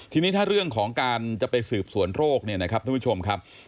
ทีนี้ถ้าเรื่องของการจะไปสืบสวนโรคเนี่ยนะครับท่านผู้ชมครับ